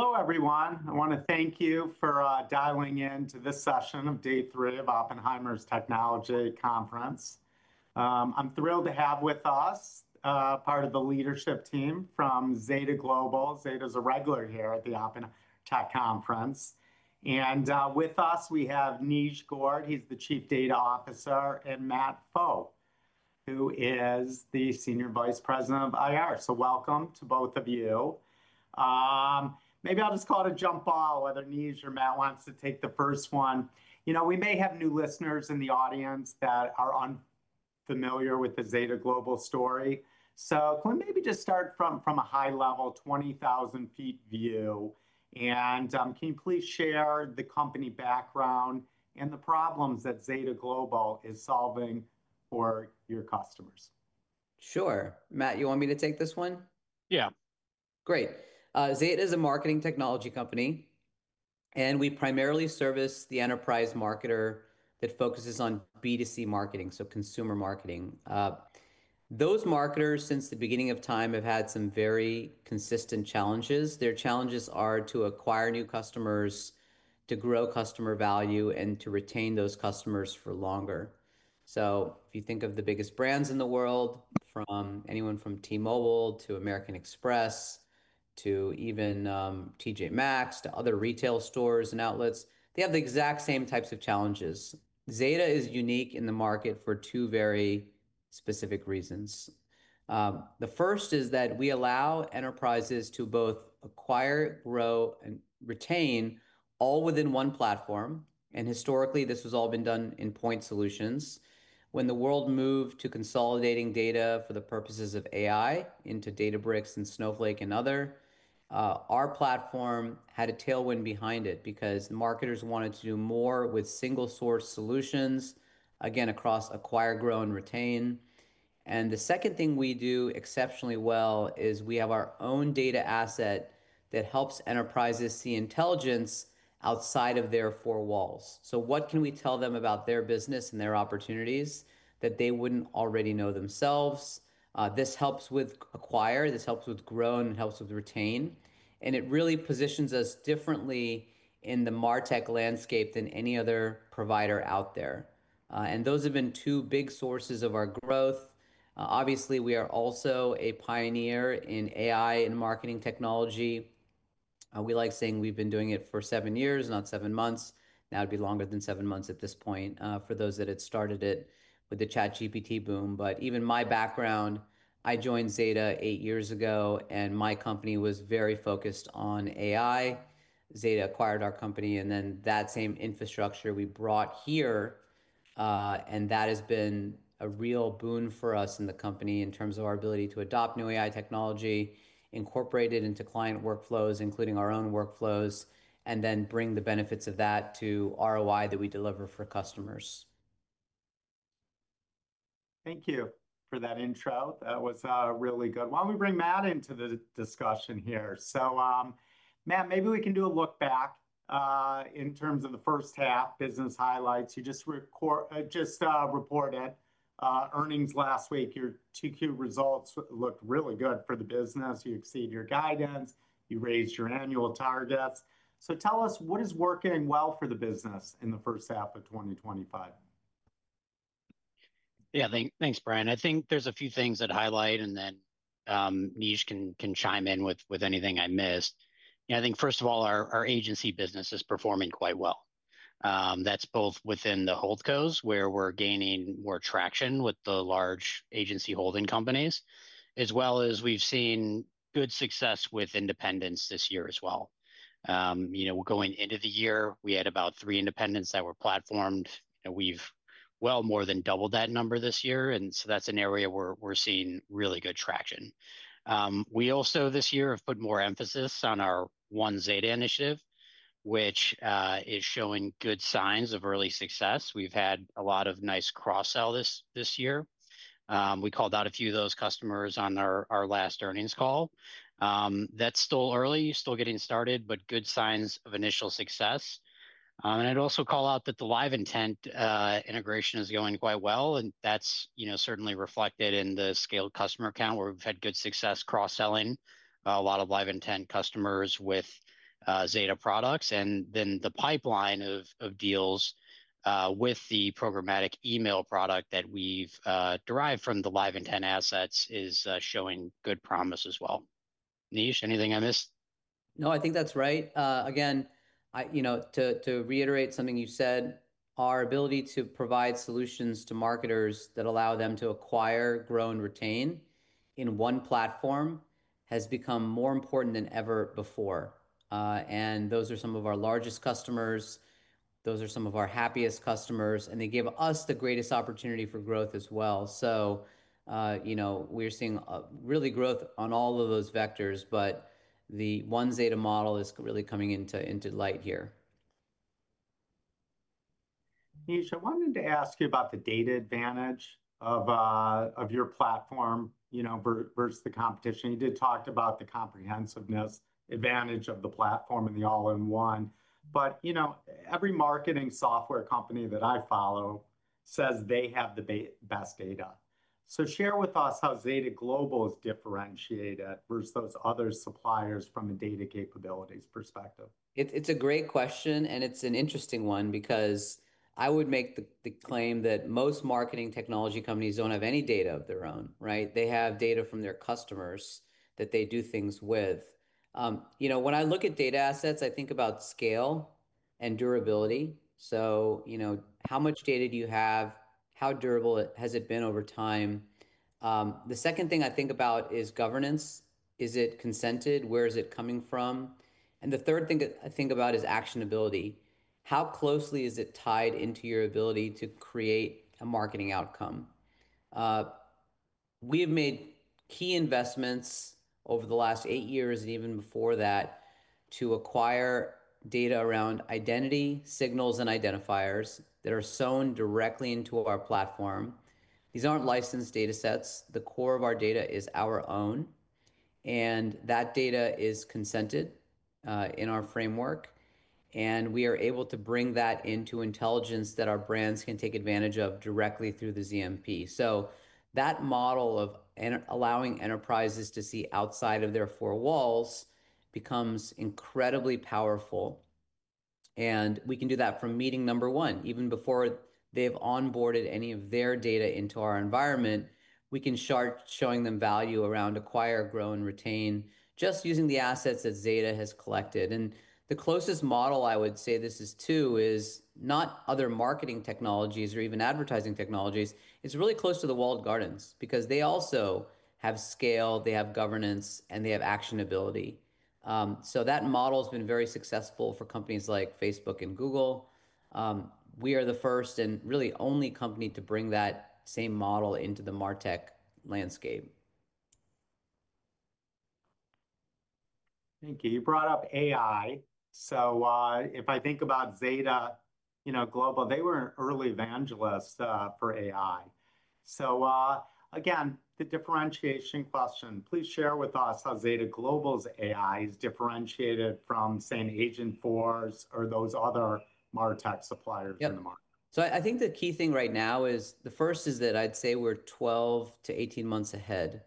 Hello, everyone. I want to thank you for dialing in to this session of Day 3 of Oppenheimer's Technology Conference. I'm thrilled to have with us part of the leadership team from Zeta Global. Zeta is a regular here at the Oppenheimer Technology Conference. With us, we have Neej Gore, he's the Chief Data Officer, and Matt Pfau, who is the Senior Vice President of Investor Relations. Welcome to both of you. Maybe I'll just call it a jump ball, whether Neej or Matt wants to take the first one. You know, we may have new listeners in the audience that are unfamiliar with the Zeta Global story. Can we maybe just start from a high level, 20,000 feet view? Can you please share the company background and the problems that Zeta Global is solving for your customers? Sure. Matt, you want me to take this one? Yeah. Great. Zeta Global is a marketing technology company. We primarily service the enterprise marketer that focuses on B2C marketing, so consumer marketing. Those marketers, since the beginning of time, have had some very consistent challenges. Their challenges are to acquire new customers, to grow customer value, and to retain those customers for longer. If you think of the biggest brands in the world, from anyone from T-Mobile to American Express to even TJ Maxx to other retail stores and outlets, they have the exact same types of challenges. Zeta Global is unique in the market for two very specific reasons. The first is that we allow enterprises to both acquire, grow, and retain all within one platform. Historically, this has all been done in point solutions. When the world moved to consolidating data for the purposes of AI into Databricks and Snowflake and other, our platform had a tailwind behind it because marketers wanted to do more with single-source solutions, again, across acquire, grow, and retain. The second thing we do exceptionally well is we have our own data asset that helps enterprises see intelligence outside of their four walls. What can we tell them about their business and their opportunities that they wouldn't already know themselves? This helps with acquire, this helps with grow, and helps with retain. It really positions us differently in the MarTech landscape than any other provider out there. Those have been two big sources of our growth. Obviously, we are also a pioneer in AI and marketing technology. We like saying we've been doing it for seven years, not seven months. Now it'd be longer than seven months at this point for those that had started it with the ChatGPT boom. Even my background, I joined Zeta Global eight years ago, and my company was very focused on AI. Zeta Global acquired our company, and then that same infrastructure we brought here, and that has been a real boon for us in the company in terms of our ability to adopt new AI technology, incorporate it into client workflows, including our own workflows, and then bring the benefits of that to ROI that we deliver for customers. Thank you for that intro. That was really good. Why don't we bring Matt into the discussion here? Matt, maybe we can do a look back in terms of the first half, business highlights. You just reported earnings last week. Your Q2 results looked really good for the business. You exceeded your guidance. You raised your annual targets. Tell us, what is working well for the business in the first half of 2025? Yeah, thanks, Brian. I think there's a few things to highlight, and then Neej can chime in with anything I missed. I think, first of all, our agency business is performing quite well. That's both within the Holdcos, where we're gaining more traction with the large agency holding companies, as well as we've seen good success with independents this year as well. Going into the year, we had about three independents that were platformed. We've well more than doubled that number this year, so that's an area where we're seeing really good traction. We also, this year, have put more emphasis on our One Zeta initiative, which is showing good signs of early success. We've had a lot of nice cross-sell this year. We called out a few of those customers on our last earnings call. That's still early, still getting started, but good signs of initial success. I'd also call out that the LiveIntent integration is going quite well, and that's certainly reflected in the scaled customer count, where we've had good success cross-selling a lot of LiveIntent customers with Zeta products. The pipeline of deals with the programmatic email product that we've derived from the LiveIntent assets is showing good promise as well. Neej, anything I missed? No, I think that's right. Again, to reiterate something you said, our ability to provide solutions to marketers that allow them to acquire, grow, and retain in one platform has become more important than ever before. Those are some of our largest customers, some of our happiest customers, and they give us the greatest opportunity for growth as well. We're seeing really growth on all of those vectors, but the One Zeta model is really coming into light here. Neej, I wanted to ask you about the data advantage of your platform versus the competition. You did talk about the comprehensiveness advantage of the platform and the all-in-one. Every marketing software company that I follow says they have the best data. Share with us how Zeta Global is differentiated versus those other suppliers from a data capabilities perspective. It's a great question, and it's an interesting one because I would make the claim that most marketing technology companies don't have any data of their own, right? They have data from their customers that they do things with. When I look at data assets, I think about scale and durability. How much data do you have? How durable has it been over time? The second thing I think about is governance. Is it consented? Where is it coming from? The third thing I think about is actionability. How closely is it tied into your ability to create a marketing outcome? We've made key investments over the last eight years and even before that to acquire data around identity signals and identifiers that are sewn directly into our platform. These aren't licensed data sets. The core of our data is our own. That data is consented in our framework. We are able to bring that into intelligence that our brands can take advantage of directly through the Zeta Marketing Platform. That model of allowing enterprises to see outside of their four walls becomes incredibly powerful. We can do that from meeting number one, even before they've onboarded any of their data into our environment. We can start showing them value around acquire, grow, and retain, just using the assets that Zeta Global has collected. The closest model I would say this is to is not other marketing technologies or even advertising technologies. It is really close to the walled gardens because they also have scale, they have governance, and they have actionability. That model has been very successful for companies like Facebook and Google. We are the first and really only company to bring that same model into the MarTech landscape. Thank you. You brought up AI. If I think about Zeta Global, they were an early evangelist for AI. The differentiation question, please share with us how Zeta Global's AI is differentiated from, say, an AI Agent Studio or those other MarTech suppliers in the market. I think the key thing right now is the first is that I'd say we're 12 to 18 months ahead.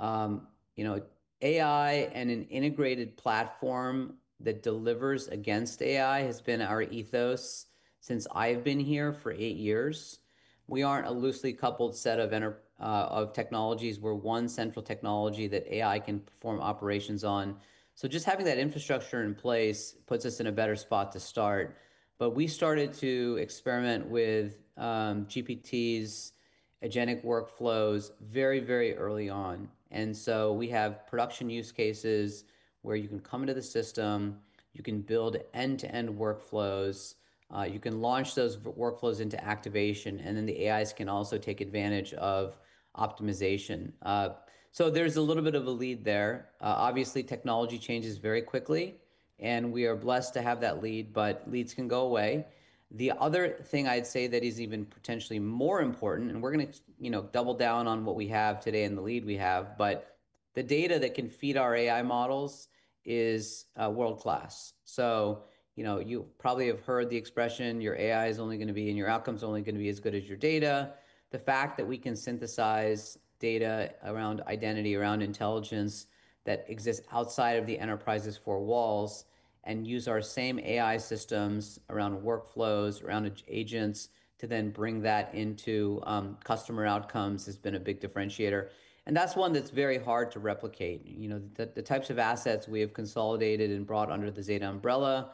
You know, AI and an integrated platform that delivers against AI has been our ethos since I've been here for eight years. We aren't a loosely coupled set of technologies. We're one central technology that AI can perform operations on. Just having that infrastructure in place puts us in a better spot to start. We started to experiment with GPTs, Answers workflows, very, very early on. We have production use cases where you can come into the system, you can build end-to-end workflows, you can launch those workflows into activation, and then the AIs can also take advantage of optimization. There's a little bit of a lead there. Obviously, technology changes very quickly. We are blessed to have that lead, but leads can go away. The other thing I'd say that is even potentially more important, and we're going to double down on what we have today and the lead we have, but the data that can feed our AI models is world-class. You probably have heard the expression, your AI is only going to be, and your outcome is only going to be as good as your data. The fact that we can synthesize data around identity, around intelligence that exists outside of the enterprise's four walls, and use our same AI systems around workflows, around agents, to then bring that into customer outcomes has been a big differentiator. That's one that's very hard to replicate. The types of assets we have consolidated and brought under the Zeta Global umbrella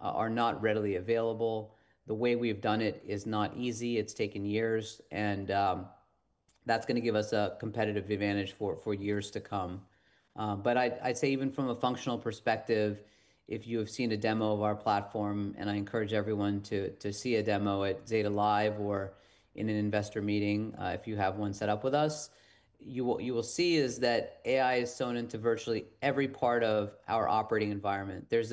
are not readily available. The way we've done it is not easy. It's taken years. That's going to give us a competitive advantage for years to come. I'd say even from a functional perspective, if you have seen a demo of our platform, and I encourage everyone to see a demo at Zeta Live or in an investor meeting, if you have one set up with us, you will see is that AI is sewn into virtually every part of our operating environment. There's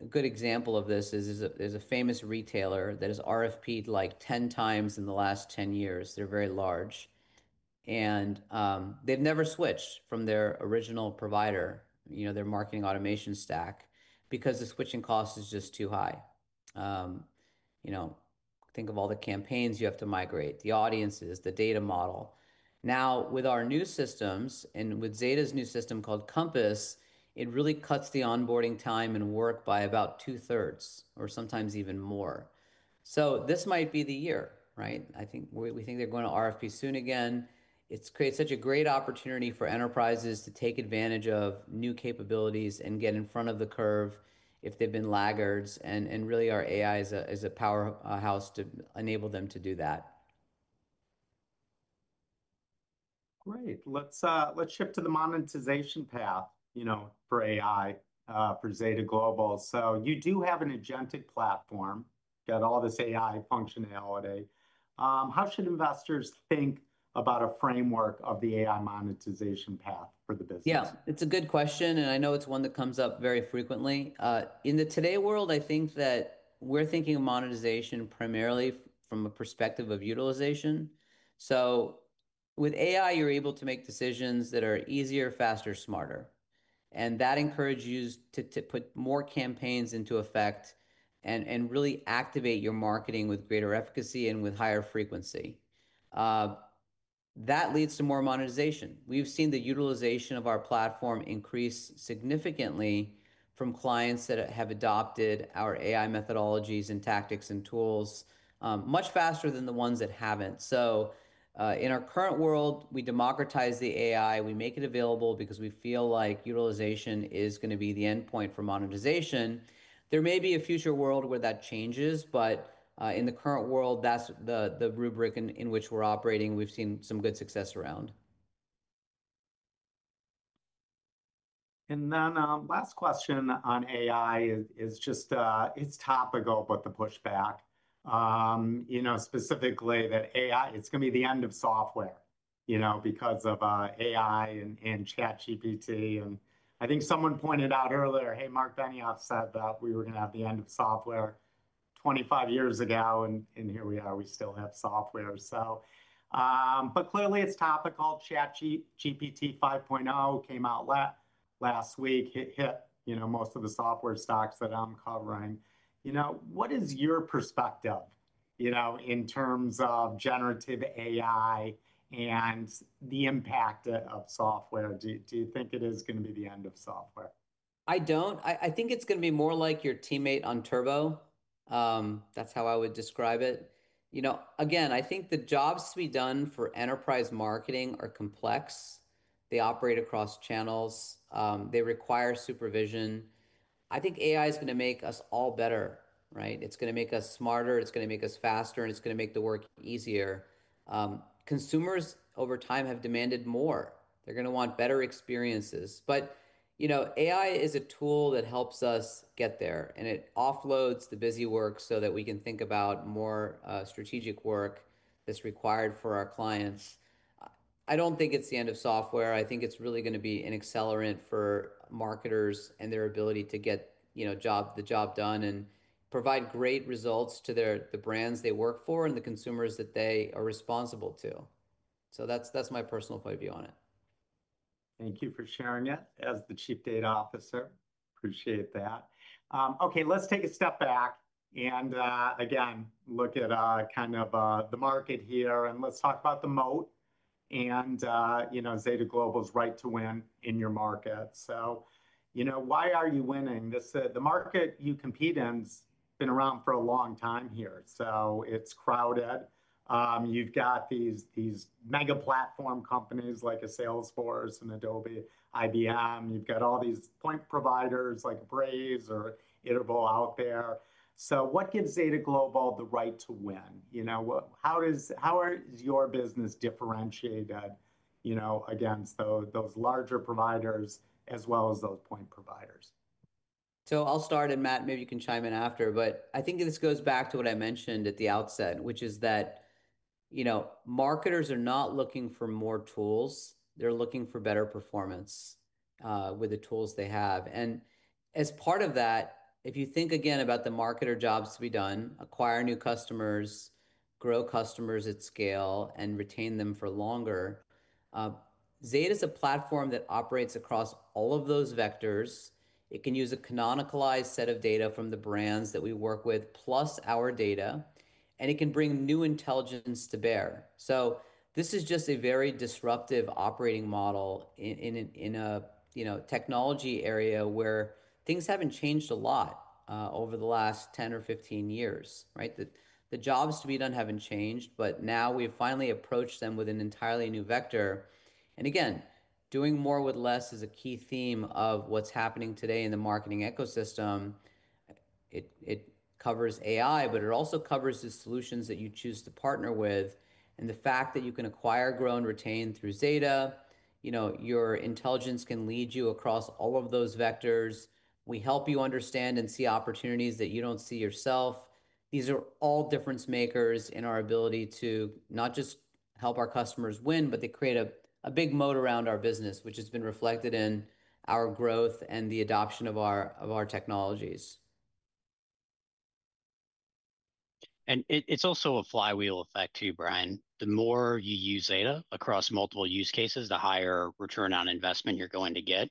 a good example of this. There's a famous retailer that has RFPed like 10 times in the last 10 years. They're very large. They've never switched from their original provider, their marketing automation stack because the switching cost is just too high. Think of all the campaigns you have to migrate, the audiences, the data model. Now, with our new systems and with Zeta's new system called Compass, it really cuts the onboarding time and work by about two-thirds or sometimes even more. This might be the year, right? I think we think they're going to RFP soon again. It creates such a great opportunity for enterprises to take advantage of new capabilities and get in front of the curve if they've been laggards. Really, our AI is a powerhouse to enable them to do that. Great. Let's shift to the monetization path for AI for Zeta Global. You do have an AI-driven platform, got all this AI functionality. How should investors think about a framework of the AI monetization path for the business? Yeah, it's a good question. I know it's one that comes up very frequently. In the today world, I think that we're thinking of monetization primarily from a perspective of utilization. With AI, you're able to make decisions that are easier, faster, smarter. That encourages you to put more campaigns into effect and really activate your marketing with greater efficacy and with higher frequency. That leads to more monetization. We've seen the utilization of our platform increase significantly from clients that have adopted our AI methodologies and tactics and tools much faster than the ones that haven't. In our current world, we democratize the AI. We make it available because we feel like utilization is going to be the endpoint for monetization. There may be a future world where that changes, but in the current world, that's the rubric in which we're operating. We've seen some good success around. The last question on AI is just, it's topical, but the pushback, you know, specifically that AI, it's going to be the end of software, you know, because of AI and ChatGPT. I think someone pointed out earlier, hey, Marc Benioff said that we were going to have the end of software 25 years ago, and here we are, we still have software. Clearly, it's topical. ChatGPT 5.0 came out last week, hit, you know, most of the software stocks that I'm covering. What is your perspective, you know, in terms of generative AI and the impact of software? Do you think it is going to be the end of software? I don't. I think it's going to be more like your teammate on Turbo. That's how I would describe it. I think the jobs to be done for enterprise marketing are complex. They operate across channels. They require supervision. I think AI is going to make us all better, right? It's going to make us smarter. It's going to make us faster, and it's going to make the work easier. Consumers over time have demanded more. They are going to want better experiences. AI is a tool that helps us get there, and it offloads the busy work so that we can think about more strategic work that's required for our clients. I don't think it's the end of software. I think it's really going to be an accelerant for marketers and their ability to get the job done and provide great results to the brands they work for and the consumers that they are responsible to. That's my personal point of view on it. Thank you for sharing it as the Chief Data Officer. Appreciate that. OK, let's take a step back and again look at kind of the market here, and let's talk about the moat and, you know, Zeta Global's right to win in your market. Why are you winning? The market you compete in has been around for a long time here. It's crowded. You've got these mega platform companies like a Salesforce and Adobe, IBM. You've got all these point providers like a Braze or Iterable out there. What gives Zeta Global the right to win? How is your business differentiated, you know, against those larger providers as well as those point providers? I'll start, and Matt, maybe you can chime in after. I think this goes back to what I mentioned at the outset, which is that marketers are not looking for more tools. They're looking for better performance with the tools they have. As part of that, if you think again about the marketer jobs to be done, acquire new customers, grow customers at scale, and retain them for longer, Zeta Global is a platform that operates across all of those vectors. It can use a canonicalized set of data from the brands that we work with, plus our data, and it can bring new intelligence to bear. This is just a very disruptive operating model in a technology area where things haven't changed a lot over the last 10 or 15 years. The jobs to be done haven't changed, but now we've finally approached them with an entirely new vector. Doing more with less is a key theme of what's happening today in the marketing ecosystem. It covers AI, but it also covers the solutions that you choose to partner with. The fact that you can acquire, grow, and retain through Zeta Global, your intelligence can lead you across all of those vectors. We help you understand and see opportunities that you don't see yourself. These are all difference makers in our ability to not just help our customers win, but they create a big moat around our business, which has been reflected in our growth and the adoption of our technologies. It's also a flywheel effect too, Brian. The more you use Zeta Global across multiple use cases, the higher return on investment you're going to get.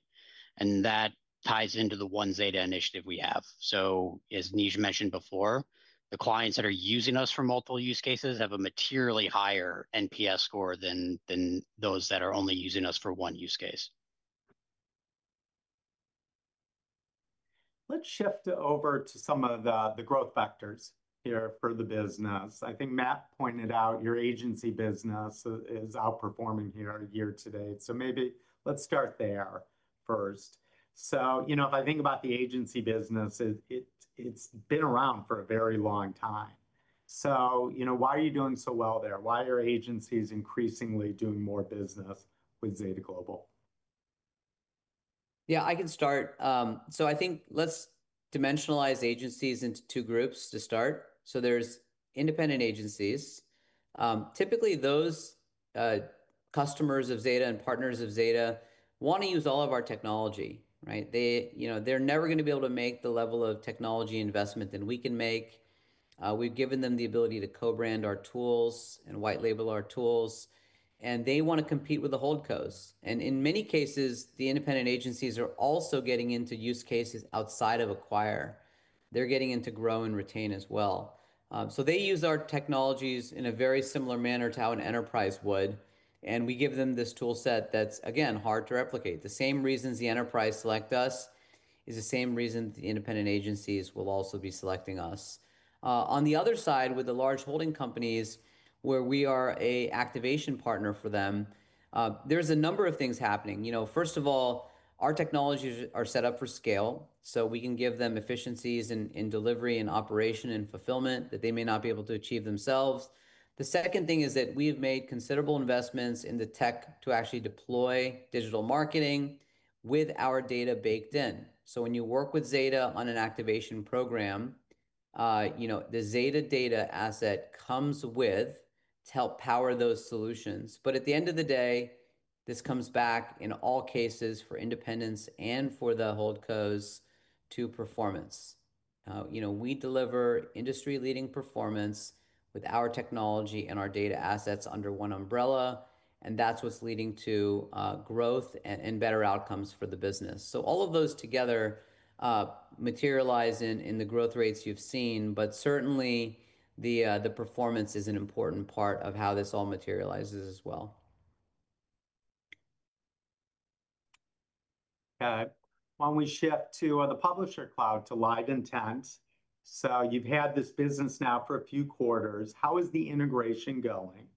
That ties into the One Zeta initiative we have. As Neej mentioned before, the clients that are using us for multiple use cases have a materially higher NPS score than those that are only using us for one use case. Let's shift over to some of the growth factors here for the business. I think Matt pointed out your agency business is outperforming here year to date. Maybe let's start there first. If I think about the agency business, it's been around for a very long time. Why are you doing so well there? Why are agencies increasingly doing more business with Zeta Global? Yeah, I can start. I think let's dimensionalize agencies into two groups to start. There's independent agencies. Typically, those customers of Zeta Global and partners of Zeta Global want to use all of our technology, right? They're never going to be able to make the level of technology investment that we can make. We've given them the ability to co-brand our tools and white label our tools. They want to compete with the Holdcos. In many cases, the independent agencies are also getting into use cases outside of acquire. They're getting into grow and retain as well. They use our technologies in a very similar manner to how an enterprise would. We give them this tool set that's, again, hard to replicate. The same reasons the enterprise selects us is the same reason the independent agencies will also be selecting us. On the other side, with the large holding companies, where we are an activation partner for them, there's a number of things happening. First of all, our technologies are set up for scale. We can give them efficiencies in delivery and operation and fulfillment that they may not be able to achieve themselves. The second thing is that we've made considerable investments in the tech to actually deploy digital marketing with our data baked in. When you work with Zeta Global on an activation program, the Zeta Global data asset comes with to help power those solutions. At the end of the day, this comes back in all cases for independents and for the Holdcos to performance. We deliver industry-leading performance with our technology and our data assets under one umbrella. That's what's leading to growth and better outcomes for the business. All of those together materialize in the growth rates you've seen. Certainly, the performance is an important part of how this all materializes as well. All right. Why don't we shift to the Publisher Cloud, to LiveIntent? You've had this business now for a few quarters. How is the integration going?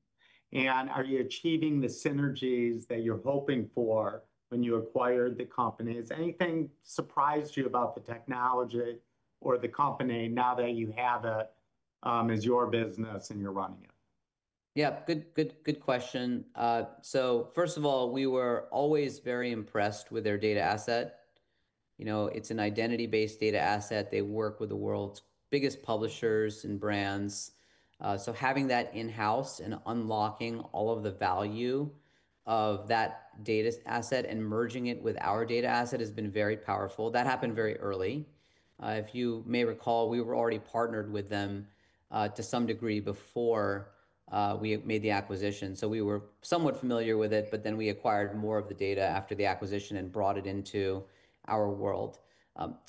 Are you achieving the synergies that you were hoping for when you acquired the company? Has anything surprised you about the technology or the company now that you have it as your business and you're running it? Yeah, good question. First of all, we were always very impressed with their data asset. It's an identity-based data asset. They work with the world's biggest publishers and brands. Having that in-house and unlocking all of the value of that data asset and merging it with our data asset has been very powerful. That happened very early. If you may recall, we were already partnered with them to some degree before we made the acquisition. We were somewhat familiar with it, but then we acquired more of the data after the acquisition and brought it into our world.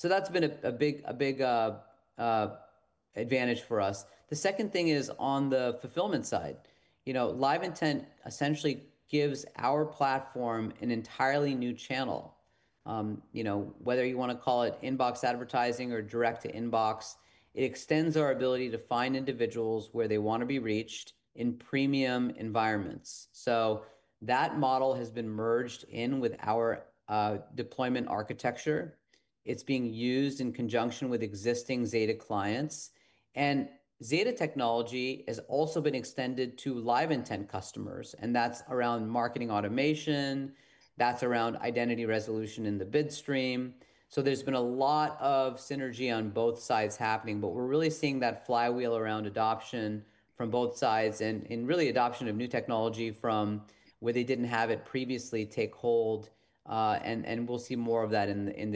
That's been a big advantage for us. The second thing is on the fulfillment side. LiveIntent essentially gives our platform an entirely new channel. Whether you want to call it inbox advertising or direct to inbox, it extends our ability to find individuals where they want to be reached in premium environments. That model has been merged in with our deployment architecture. It's being used in conjunction with existing Zeta clients. Zeta technology has also been extended to LiveIntent customers, and that's around marketing automation. That's around identity resolution in the bid stream. There's been a lot of synergy on both sides happening. We're really seeing that flywheel around adoption from both sides and really adoption of new technology from where they didn't have it previously take hold. We'll see more of that in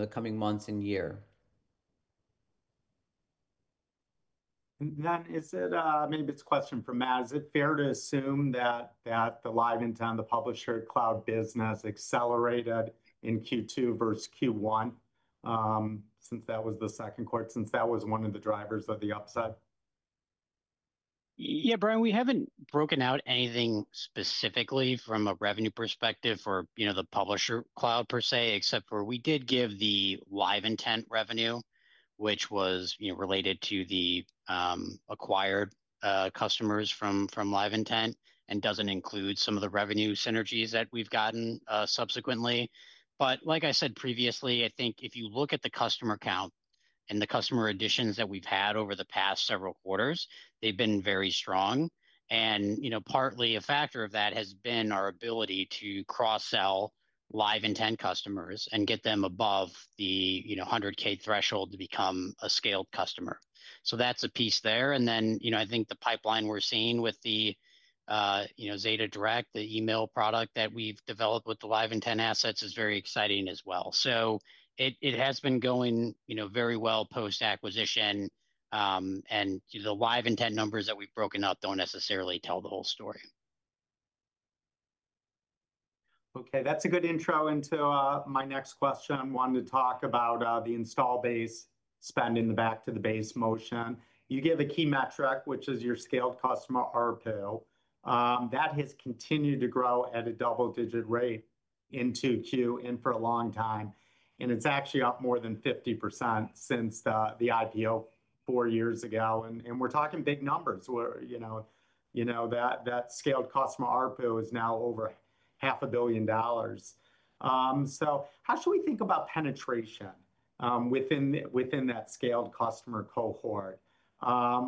the coming months and year. Is it a minute-based question for Matt? Is it fair to assume that the LiveIntent, the Publisher Cloud business accelerated in Q2 versus Q1 since that was the second quarter, since that was one of the drivers of the upside? Yeah, Brian, we haven't broken out anything specifically from a revenue perspective for the Publisher Cloud per se, except for we did give the LiveIntent revenue, which was related to the acquired customers from LiveIntent and doesn't include some of the revenue synergies that we've gotten subsequently. Like I said previously, I think if you look at the customer count and the customer additions that we've had over the past several quarters, they've been very strong. Partly a factor of that has been our ability to cross-sell LiveIntent customers and get them above the $100,000 threshold to become a scaled customer. That's a piece there. I think the pipeline we're seeing with the Zeta Direct, the email product that we've developed with the LiveIntent assets, is very exciting as well. It has been going very well post-acquisition, and the LiveIntent numbers that we've broken up don't necessarily tell the whole story. OK, that's a good intro into my next question. I wanted to talk about the install base spend in the back to the base motion. You gave a key metric, which is your scaled customer RPO. That has continued to grow at a double-digit rate in Q2 and for a long time. It's actually up more than 50% since the IPO four years ago. We're talking big numbers. You know, that scaled customer RPO is now over half a billion dollars. How should we think about penetration within that scaled customer cohort,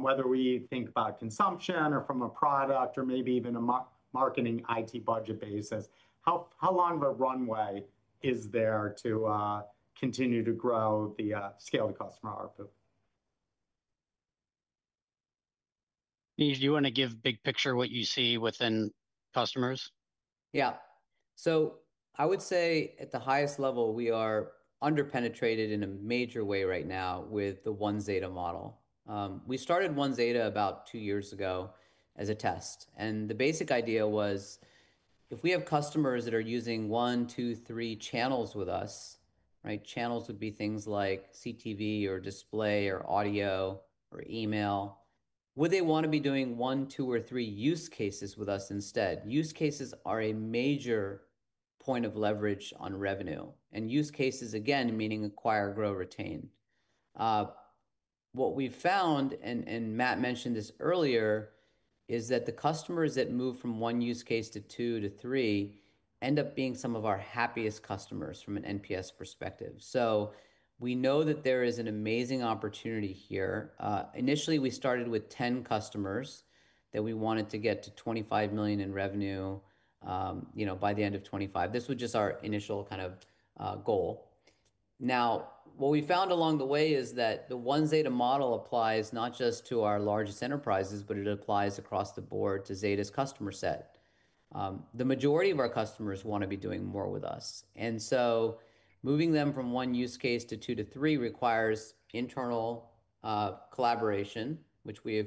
whether we think about consumption or from a product or maybe even a marketing IT budget basis? How long of a runway is there to continue to grow the scaled customer RPO? Neej, do you want to give a big picture of what you see within customers? Yeah. I would say at the highest level, we are underpenetrated in a major way right now with the One Zeta model. We started One Zeta about two years ago as a test. The basic idea was if we have customers that are using one, two, three channels with us, right? Channels would be things like CTV or display or audio or email. Would they want to be doing one, two, or three use cases with us instead? Use cases are a major point of leverage on revenue. Use cases, again, meaning acquire, grow, retain. What we found, and Matt mentioned this earlier, is that the customers that move from one use case to two to three end up being some of our happiest customers from an NPS perspective. We know that there is an amazing opportunity here. Initially, we started with 10 customers that we wanted to get to $25 million in revenue by the end of 2025. This was just our initial kind of goal. What we found along the way is that the One Zeta model applies not just to our largest enterprises, but it applies across the board to Zeta Global's customer set. The majority of our customers want to be doing more with us. Moving them from one use case to two to three requires internal collaboration, which we're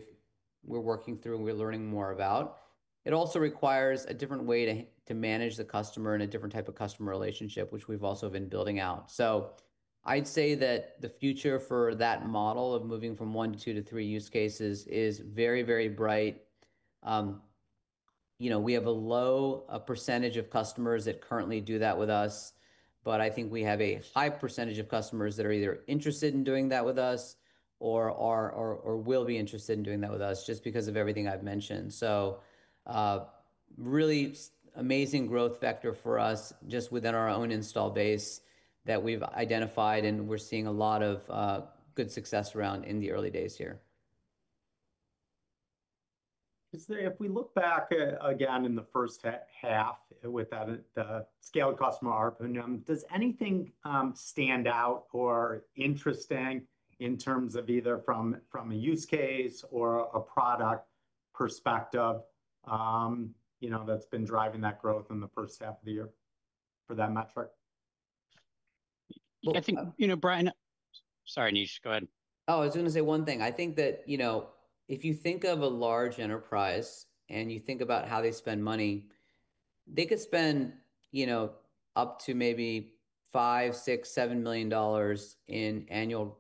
working through and we're learning more about. It also requires a different way to manage the customer and a different type of customer relationship, which we've also been building out. I'd say that the future for that model of moving from one to two to three use cases is very, very bright. We have a low percentage of customers that currently do that with us. I think we have a high percentage of customers that are either interested in doing that with us or will be interested in doing that with us just because of everything I've mentioned. Really amazing growth vector for us just within our own install base that we've identified and we're seeing a lot of good success around in the early days here. If we look back again in the first half with the scaled customer RPO, does anything stand out or interesting in terms of either from a use case or a product perspective that's been driving that growth in the first half of the year for that metric? I think, you know, Neej, go ahead. I think that, you know, if you think of a large enterprise and you think about how they spend money, they could spend, you know, up to maybe $5 million, $6 million, $7 million in annual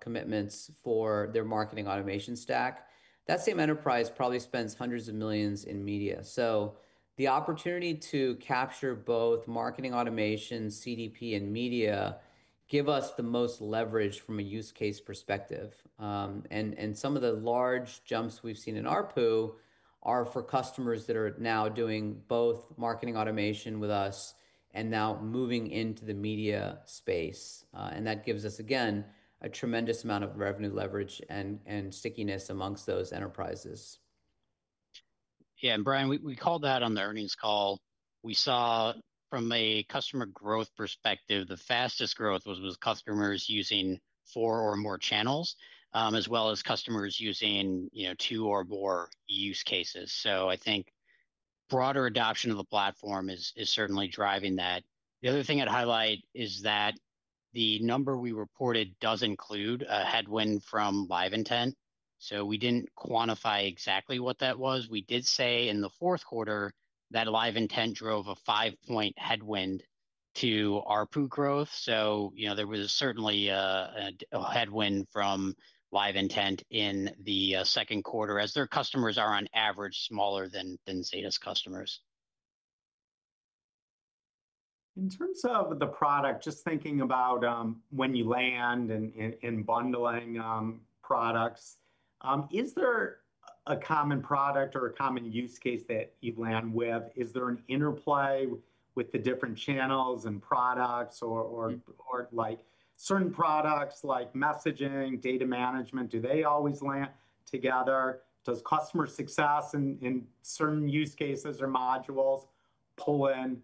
commitments for their marketing automation stack. That same enterprise probably spends hundreds of millions in media. The opportunity to capture both marketing automation, CDP, and media gives us the most leverage from a use case perspective. Some of the large jumps we've seen in RPO are for customers that are now doing both marketing automation with us and now moving into the media space. That gives us, again, a tremendous amount of revenue leverage and stickiness amongst those enterprises. Yeah, Brian, we called that on the earnings call. We saw from a customer growth perspective the fastest growth was customers using four or more channels, as well as customers using two or more use cases. I think broader adoption of the platform is certainly driving that. The other thing I'd highlight is that the number we reported does include a headwind from LiveIntent. We didn't quantify exactly what that was. We did say in the fourth quarter that LiveIntent drove a five-point headwind to RPO growth. There was certainly a headwind from LiveIntent in the second quarter, as their customers are on average smaller than Zeta's customers. In terms of the product, just thinking about when you land and bundling products, is there a common product or a common use case that you land with? Is there an interplay with the different channels and products? Are certain products like messaging, data management, do they always land together? Does customer success in certain use cases or modules pull in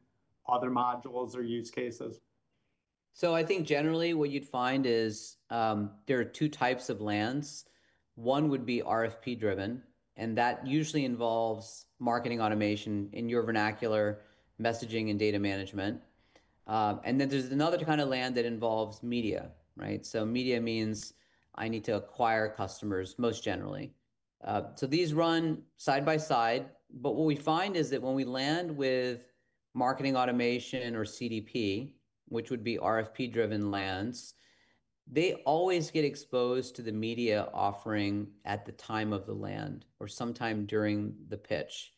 other modules or use cases? I think generally what you'd find is there are two types of lands. One would be RFP-driven, and that usually involves marketing automation in your vernacular, messaging, and data management. There's another kind of land that involves media, right? Media means I need to acquire customers most generally. These run side by side. What we find is that when we land with marketing automation or CDP, which would be RFP-driven lands, they always get exposed to the media offering at the time of the land or sometime during the pitch.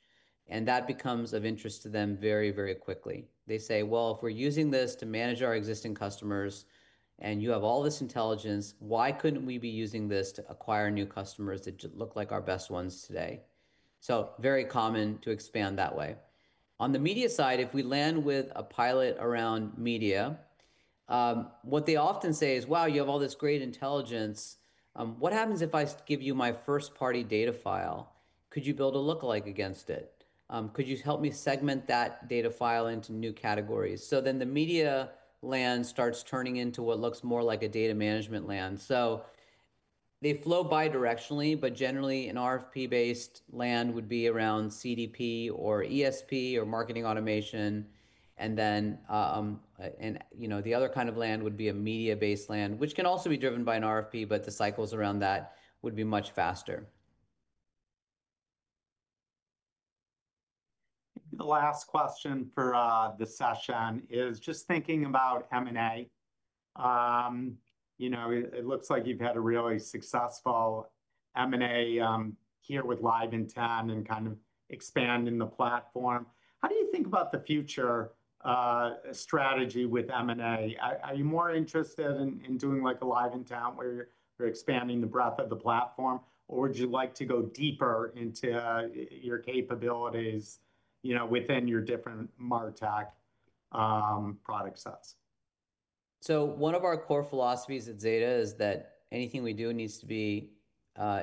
That becomes of interest to them very, very quickly. They say, if we're using this to manage our existing customers and you have all this intelligence, why couldn't we be using this to acquire new customers that look like our best ones today? It's very common to expand that way. On the media side, if we land with a pilot around media, what they often say is, you have all this great intelligence. What happens if I give you my first-party data file? Could you build a lookalike against it? Could you help me segment that data file into new categories? The media land starts turning into what looks more like a data management land. They flow bi-directionally, but generally, an RFP-based land would be around CDP or ESP or marketing automation. The other kind of land would be a media-based land, which can also be driven by an RFP, but the cycles around that would be much faster. The last question for the session is just thinking about M&A. It looks like you've had a really successful M&A here with LiveIntent and kind of expanding the platform. How do you think about the future strategy with M&A? Are you more interested in doing like a LiveIntent where you're expanding the breadth of the platform, or would you like to go deeper into your capabilities within your different MarTech product sets? One of our core philosophies at Zeta Global is that anything we do needs to be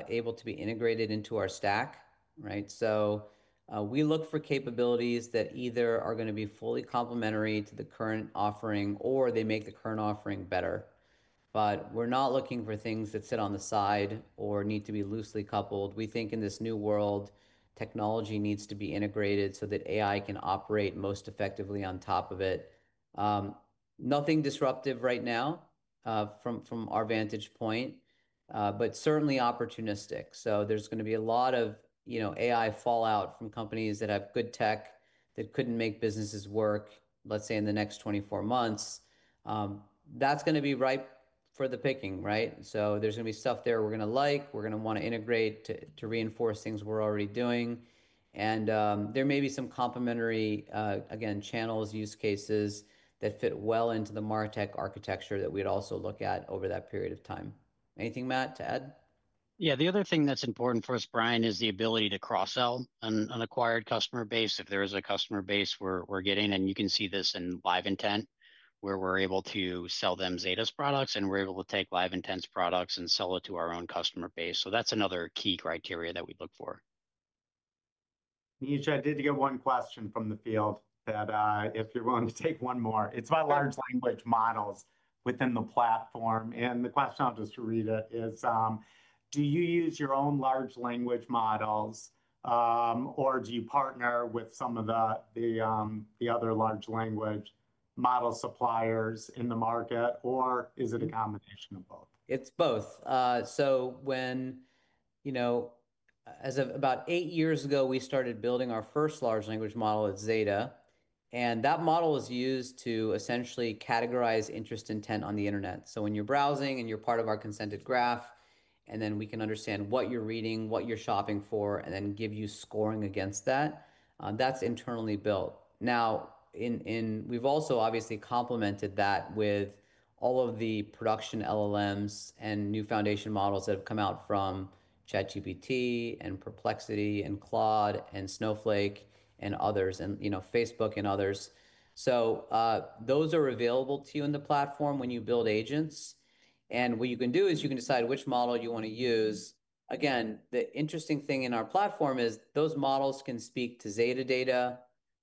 able to be integrated into our stack, right? We look for capabilities that either are going to be fully complementary to the current offering or they make the current offering better. We're not looking for things that sit on the side or need to be loosely coupled. We think in this new world, technology needs to be integrated so that AI can operate most effectively on top of it. Nothing disruptive right now from our vantage point, but certainly opportunistic. There's going to be a lot of AI fallout from companies that have good tech that couldn't make businesses work, let's say, in the next 24 months. That's going to be ripe for the picking, right? There's going to be stuff there we're going to like, we're going to want to integrate to reinforce things we're already doing. There may be some complementary, again, channels, use cases that fit well into the MarTech architecture that we'd also look at over that period of time. Anything, Matt, to add? Yeah, the other thing that's important for us, Brian, is the ability to cross-sell an acquired customer base. If there is a customer base we're getting, and you can see this in LiveIntent, where we're able to sell them Zeta's products, and we're able to take LiveIntent's products and sell it to our own customer base. That's another key criteria that we look for. Neej, I did get one question from the field that if you're willing to take one more, it's about large language models within the platform. The question, I'll just read it, is, do you use your own large language models or do you partner with some of the other large language model suppliers in the market, or is it a combination of both? It's both. As of about eight years ago, we started building our first large language model at Zeta Global. That model is used to essentially categorize interest intent on the internet. When you're browsing and you're part of our consented graph, we can understand what you're reading, what you're shopping for, and then give you scoring against that. That's internally built. We've also obviously complemented that with all of the production LLMs and new foundation models that have come out from ChatGPT, Perplexity, Claude, Snowflake, Facebook, and others. Those are available to you in the platform when you build agents. You can decide which model you want to use. The interesting thing in our platform is those models can speak to Zeta data.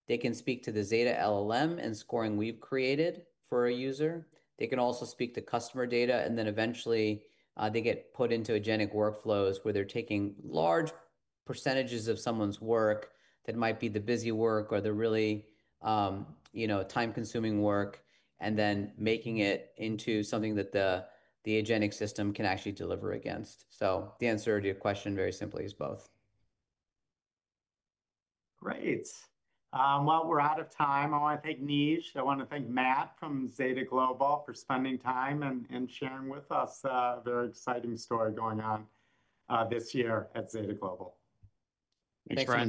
They can speak to the Zeta LLM and scoring we've created for a user. They can also speak to customer data. Eventually, they get put into eigenic workflows where they're taking large percentages of someone's work that might be the busy work or the really time-consuming work and making it into something that the eigenic system can actually deliver against. The answer to your question very simply is both. Great. We're out of time. I want to thank Neej. I want to thank Matt from Zeta Global for spending time and sharing with us a very exciting story going on this year at Zeta Global. Thanks, Brian.